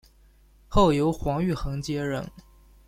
后由黄玉衡接任。